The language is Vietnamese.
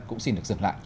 cũng xin được dựng